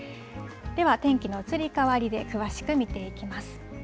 では、天気の移り変わりで詳しく見ていきます。